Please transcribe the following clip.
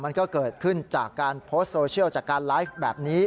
มันก็เกิดขึ้นจากการโพสต์โซเชียลจากการไลฟ์แบบนี้